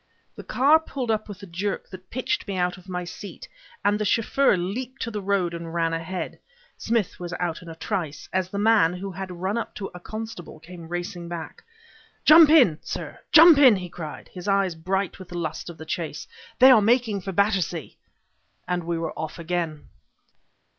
The car pulled up with a jerk that pitched me out of my seat, and the chauffeur leaped to the road and ran ahead. Smith was out in a trice, as the man, who had run up to a constable, came racing back. "Jump in, sir jump in!" he cried, his eyes bright with the lust of the chase; "they are making for Battersea!" And we were off again.